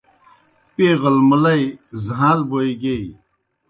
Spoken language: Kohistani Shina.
پیغل مُلئی زھاݩل بوئے گیئی۔